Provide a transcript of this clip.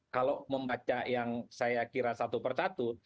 kalau membaca yang saya kira satu per satu